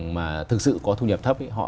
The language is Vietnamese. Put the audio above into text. mà thực sự có thu nhập thấp họ